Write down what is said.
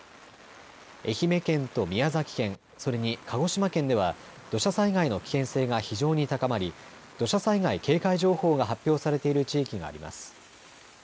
愛媛県と宮崎県、それに鹿児島県では、土砂災害の危険性が非常に高まり、土砂災害警戒情報が発表されている地域があります。